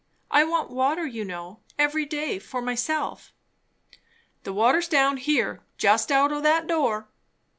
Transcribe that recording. I want water, you know, every day for myself." "The water's down here just out o' that door."